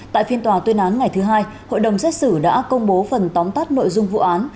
tại phiên tòa tuyên án ngày thứ hai hội đồng xét xử đã công bố phần tóm tắt nội dung vụ án